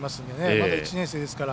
まだ１年生ですから。